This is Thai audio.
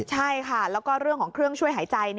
ใช่ค่ะแล้วก็เรื่องของเครื่องช่วยหายใจ